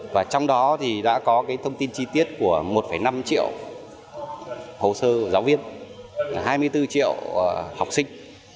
và trong đó thì đã có thông tin chi tiết của một năm triệu hồ sơ giáo viên hai mươi bốn triệu học sinh